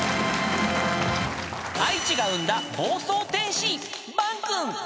［愛知が生んだ暴走天使］